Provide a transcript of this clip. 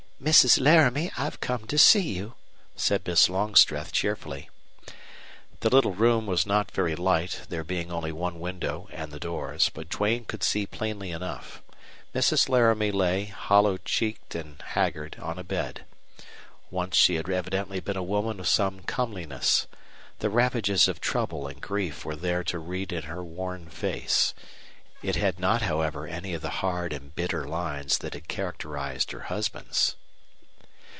"Mrs. Laramie, I've come to see you," said Miss Longstreth, cheerfully. The little room was not very light, there being only one window and the doors, but Duane could see plainly enough. Mrs. Laramie lay, hollow checked and haggard, on a bed. Once she had evidently been a woman of some comeliness. The ravages of trouble and grief were there to read in her worn face; it had not, however, any of the hard and bitter lines that had characterized her husband's.